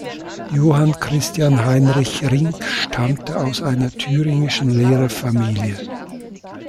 Johann Christian Heinrich Rinck stammte aus einer thüringischen Lehrerfamilie.